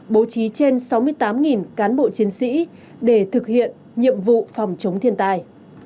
bố trí trên sáu mươi tám cán bộ chiến sĩ để thực hiện nhiệm vụ phòng chống thiên tai